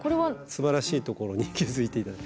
すばらしいところに気付いて頂いて。